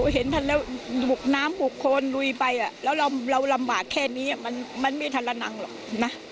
เห็นแล้วบุกน้ำบุกโคนลุยไปแล้วเราลำบากแค่นี้มันไม่ทันระนังหรอกนะ